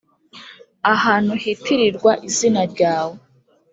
ahantu hitirirwa izina ryawe